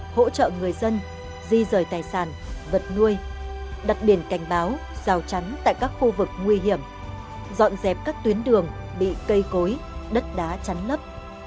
hỗ trợ người dân di rời tài sản vật nuôi đặt biển cảnh báo rào chắn tại các khu vực nguy hiểm dọn dẹp các tuyến đường bị cây cối đất đá chắn lấp